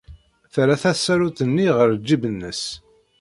Terra tasarut-nni ɣer ljib-nnes.